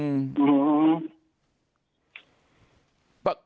อื้อ